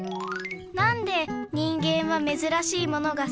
なんで人間はめずらしいものがすきなの？